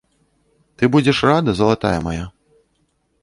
Ты будзеш рада, залатая мая?